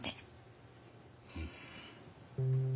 うん。